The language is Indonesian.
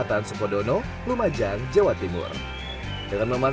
tak hanya di pasar lokal